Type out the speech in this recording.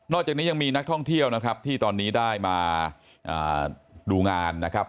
จากนี้ยังมีนักท่องเที่ยวนะครับที่ตอนนี้ได้มาดูงานนะครับ